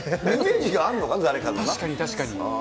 確かに確かに。